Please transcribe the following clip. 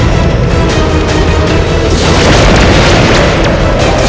saya akan membagi usaha t hizo ingin mendapatkan